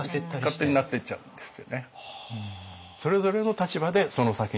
勝手になっていっちゃうんですけどね。